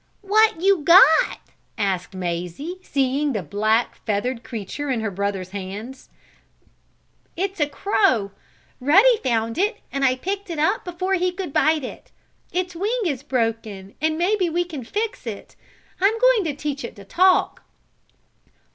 "What you got?" asked Mazie, seeing the black, feathered creature in her brother's hands. "It's a crow. Ruddy found it and I picked it up before he could bite it. Its wing is broken but maybe we can fix it. I'm going to teach it to talk."